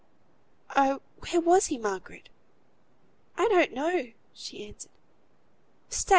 Oh! where was he, Margaret?" "I don't know," she answered. "Stay!